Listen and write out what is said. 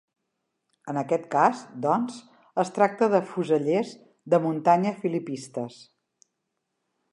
En aquest cas, doncs, es tracta de fusellers de muntanya filipistes.